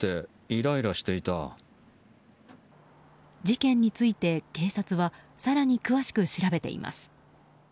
事件について警察は更に詳しく調べています。